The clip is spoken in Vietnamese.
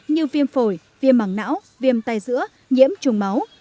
như viêm phổi viêm mảng não viêm tay giữa nhiễm trùng máu